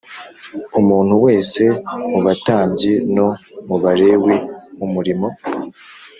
umuntu wese mu batambyi no mu Balewi umurimo